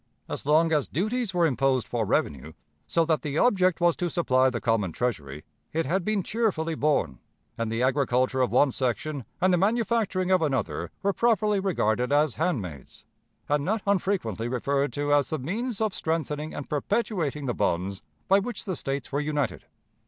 As long as duties were imposed for revenue, so that the object was to supply the common Treasury, it had been cheerfully borne, and the agriculture of one section and the manufacturing of another were properly regarded as handmaids, and not unfrequently referred to as the means of strengthening and perpetuating the bonds by which the States were united.